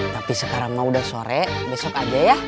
tapi sekarang mau udah sore besok aja ya